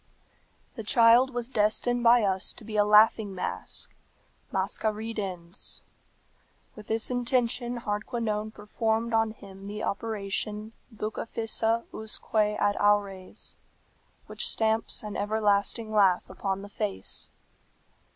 "The child was destined by us to be a laughing mask (masca ridens). "With this intention Hardquanonne performed on him the operation, Bucca fissa usque ad aures, which stamps an everlasting laugh upon the face.